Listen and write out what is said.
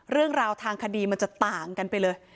เรื่องราวทางคดีมันจะต่างกันไปเลย